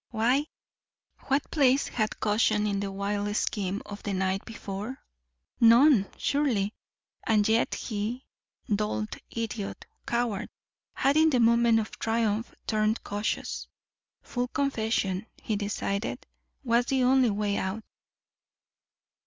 Why? What place had caution in the wild scheme of the night before? None, surely. And yet he, dolt, idiot, coward, had in the moment of triumph turned cautious. Full confession, he decided, was the only way out.